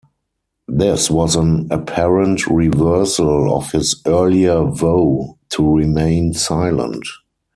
This was an apparent reversal of his earlier vow to remain silent.